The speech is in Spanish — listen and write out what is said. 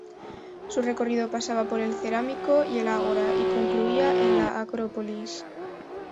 Su recorrido pasaba por el Cerámico y el ágora y concluía en la Acrópolis.